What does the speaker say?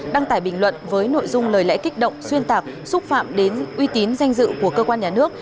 đăng tải bình luận với nội dung lời lẽ kích động xuyên tạc xúc phạm đến uy tín danh dự của cơ quan nhà nước